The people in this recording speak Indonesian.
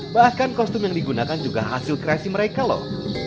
bahkan kostum yang digunakan juga hasil kreasi mereka loh